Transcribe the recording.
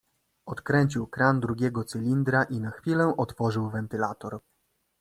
"Odkręcił kran drugiego cylindra i na chwilę otworzył wentylator."